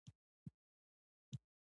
له ګوند څخه د کیڼ اړخو شړل شامل و.